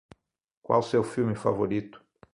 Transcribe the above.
Qual seu filme favorito?